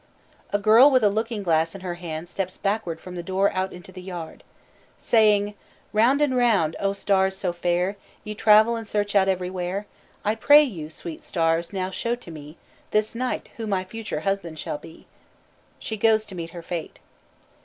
A girl with a looking glass in her hand steps backward from the door out into the yard. Saying: "Round and round, O stars so fair! Ye travel, and search out everywhere. I pray you, sweet stars, now show to me, This night, who my future husband shall be!" she goes to meet her fate.